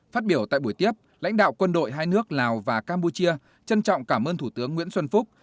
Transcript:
phát biểu tại buổi tiếp lãnh đạo quân đội hai nước lào và campuchia trân trọng cảm ơn thủ tướng nguyễn xuân phúc